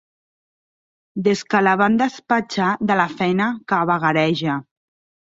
Des que la van despatxar de la feina que vagareja.